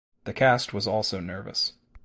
The cast was also nervous.